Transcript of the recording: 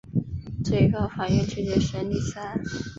最高法院拒绝审理此案。